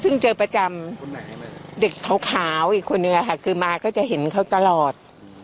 ซึ่งเจอประจำเด็กขาวอีกคนนึงค่ะคือมาก็จะเห็นเขาตลอด